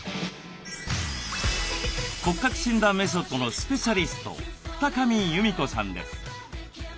骨格診断メソッドのスペシャリスト二神弓子さんです。